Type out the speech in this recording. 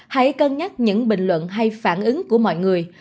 hãy cân nhắc những bình luận hay phản ứng của mọi người